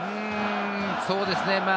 そうですね。